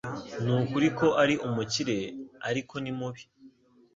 Nukuri ko ari umukire, ariko ni mubi.